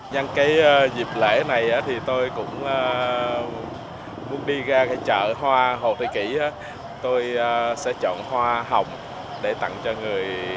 nhân cái dịp lễ này thì tôi cũng muốn đi ra cái chợ hoa hồ tây tôi sẽ chọn hoa hồng để tặng cho người